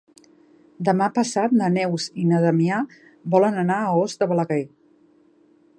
Demà passat na Neus i na Damià volen anar a Os de Balaguer.